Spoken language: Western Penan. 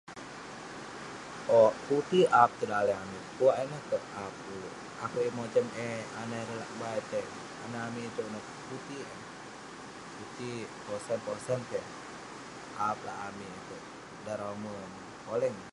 Owk..putik ap tong daleh amik, pekuwak ineh kerk ap ulouk..akouk yeng mojam eh lak bai etey..anah amik itouk ineh, putik eh..putik, posan posan peh eh. Aap lak amik itouk. dan romer neh, poleng.